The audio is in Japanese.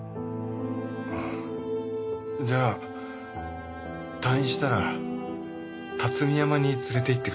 じゃあ退院したらたつみ山に連れていってください。